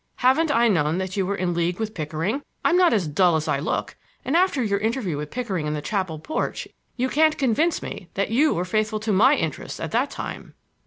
Haven't I known that you were in league with Pickering? I'm not as dull as I look, and after your interview with Pickering in the chapel porch you can't convince me that you were faithful to my interests at that time."